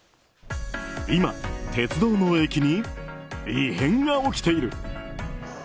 今、鉄道の駅に異変が起きている。